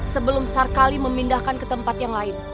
sebelum sarkali memindahkan ke tempat yang lain